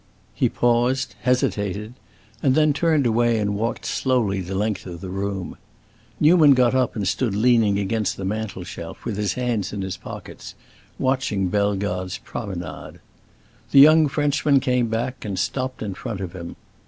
He paused, hesitated, and then turned away and walked slowly the length of the room. Newman got up and stood leaning against the mantel shelf, with his hands in his pockets, watching Bellegarde's promenade. The young Frenchman came back and stopped in front of him.